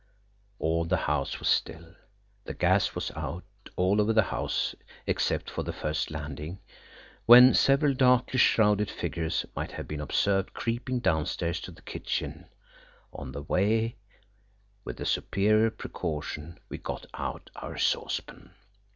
All the house was still. The gas was out all over the house except on the first landing, when several darkly shrouded figures might have been observed creeping downstairs to the kitchen. On the way, with superior precaution, we got out our saucepan.